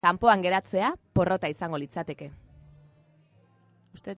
Kanpoan geratzea porrota izango litzateke.